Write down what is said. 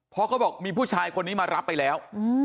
เพราะเขาบอกมีผู้ชายคนนี้มารับไปแล้ว